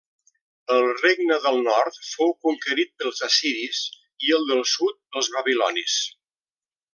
El Regne del Nord fou conquerit pels assiris, i el del sud pels babilonis.